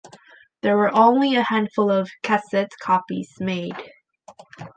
There were only a handful of cassette copies made.